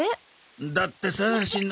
だってさしんの。